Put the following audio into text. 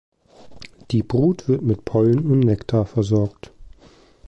Die Brut wird mit Pollen und Nektar versorgt.